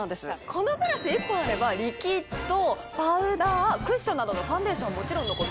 このブラシ１本あればリキッドパウダークッションなどのファンデーションはもちろんのこと